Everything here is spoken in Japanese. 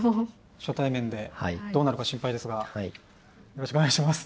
初対面でどうなるか心配ですがよろしくお願いします。